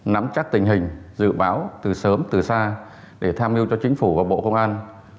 nắm chắc tình hình dự báo từ sớm từ xa để tham mưu cho chính phủ và bộ công an